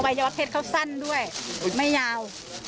วัยวะเพศเขาสั้นด้วยไม่ยาว